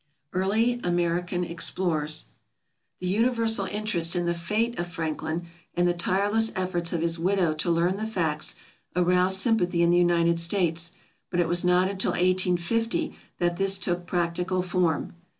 Early American Explorers The universal interest in the fate of Franklin, and the tireless efforts of his widow to learn the facts, aroused sympathy in the United States, but it was not until 1850 that this took practical form.